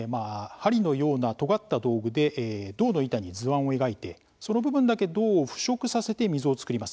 針のようなとがった道具で銅の板に図案を描いてその部分だけ銅を腐食させて溝を作ります。